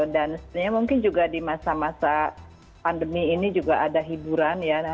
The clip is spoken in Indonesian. dan sebenarnya mungkin juga di masa masa pandemi ini juga ada hiburan ya